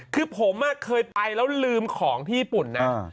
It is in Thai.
คือผมเคยไปแล้วลืมของที่ญี่ปุ่นนะ